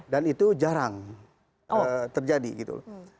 dan itu jarang terjadi gitu